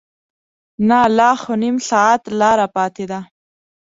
نه لا خو نیم ساعت لاره پاتې ده.